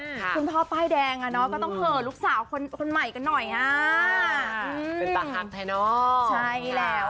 ขึ้นท้องพาวบ้ายแดงอ่ะจะต้องเหอะลูกสาวคนใหม่กันหน่อย